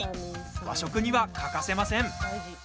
和食には欠かせません。